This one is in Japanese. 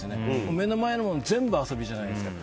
目の前のものが全部遊びじゃないですか。